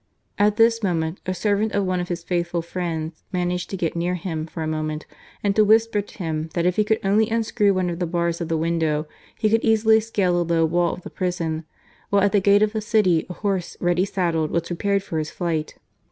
At this moment, a servant of one of his faithful friends managed to get near him for a moment and to whisper to him that if he could only unscrew one of the bars of the window, he could easily scale the low wall of the prison, while at the gate of the city a horse ready saddled was prepared for his flight.